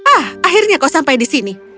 ah akhirnya kau sampai di sini